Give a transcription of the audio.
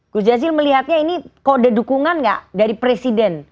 gujazil melihatnya ini kode dukungan nggak dari presiden